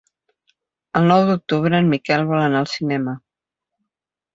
El nou d'octubre en Miquel vol anar al cinema.